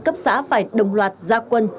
cấp xã phải đồng loạt gia quân